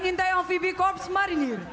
inti amfibi korps marinir